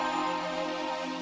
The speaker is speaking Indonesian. terima kasih bang